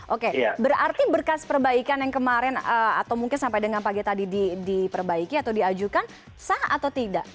oke berarti berkas perbaikan yang kemarin atau mungkin sampai dengan pagi tadi diperbaiki atau diajukan sah atau tidak